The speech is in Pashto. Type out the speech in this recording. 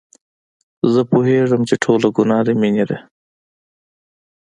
زه پوهېږم چې ټوله ګناه د مينې ده.